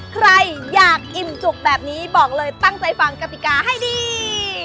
ใครอยากอิ่มจุกแบบนี้บอกเลยตั้งใจฟังกติกาให้ดี